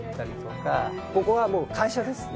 ここはもう会社ですね。